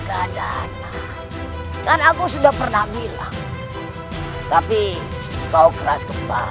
hehehe hehehe hehehe hehehe harga dana dan aku sudah pernah bilang tapi kau keras kepala